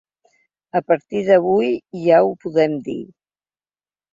A partir d'avui ja ho podem dir.